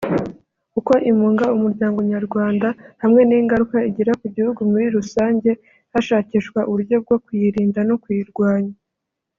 uko imunga umuryango nyarwanda hamwe n’ingaruka igira ku gihugu muri rusange hashakishwa uburyo bwo kuyirinda no kuyirwanya